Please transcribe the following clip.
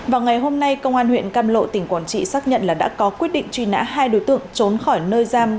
vào ngày hôm nay công an huyện cam lộ tỉnh quảng trị xác nhận là đã có quyết định truy nã hai đối tượng trốn khỏi nơi giam